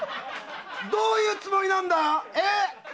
どういうつもりなんだ？え？